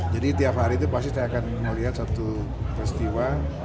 jadi tiap hari itu pasti saya akan melihat satu peristiwa